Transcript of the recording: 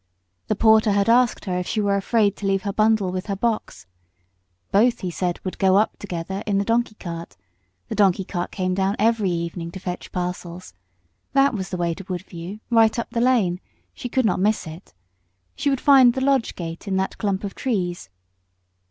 The porter had asked her if she were afraid to leave her bundle with her box. Both, he said, would go up together in the donkey cart. The donkey cart came down every evening to fetch parcels.... That was the way to Woodview, right up the lane. She could not miss it. She would find the lodge gate in that clump of trees.